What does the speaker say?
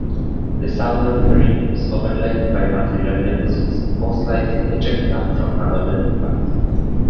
The southern rim is overlain by material deposits, most likely ejecta from another impact.